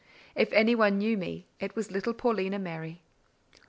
If any one knew me it was little Paulina Mary.